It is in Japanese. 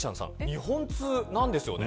日本通なんですよね。